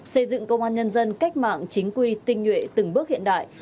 xây dựng công an nhân dân cách mạng chính quy tinh nhuệ từng bước hiện đại